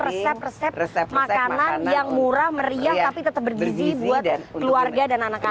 resep resep makanan yang murah meriah tapi tetap bergizi buat keluarga dan anak anak